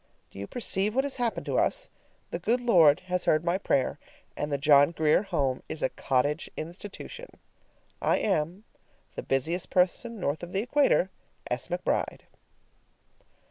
Do you perceive what has happened to us? The good Lord has heard my prayer, and the John Grier Home is a cottage institution! I am, The busiest person north of the equator, S. McBRIDE.